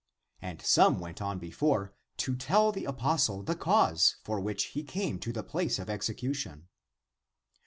And some went on before to tell the apostle the cause for which he came to the place of execution.